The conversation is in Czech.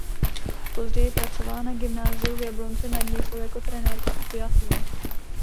Později pracovala na Gymnáziu v Jablonci nad Nisou jako trenérka u biatlonu.